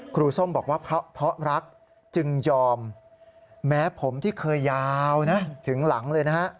ส้มบอกว่าเพราะรักจึงยอมแม้ผมที่เคยยาวนะถึงหลังเลยนะฮะ